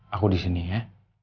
aku di sini ya